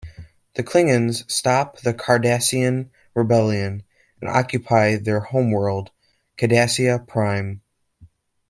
The Klingons stop the Cardassian rebellion and occupy their homeworld, Cardassia Prime.